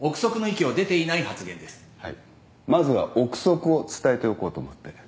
まずは憶測を伝えておこうと思って。